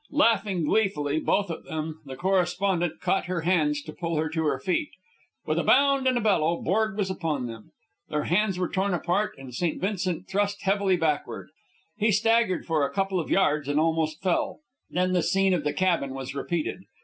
Laughing gleefully, both of them, the correspondent caught her hands to pull her to her feet. With a bound and a bellow, Borg was upon them. Their hands were torn apart and St. Vincent thrust heavily backward. He staggered for a couple of yards and almost fell. Then the scene of the cabin was repeated.